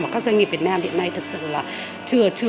và các doanh nghiệp việt nam hiện nay thật sự là